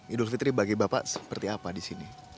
idul fitri bagi bapak seperti apa di sini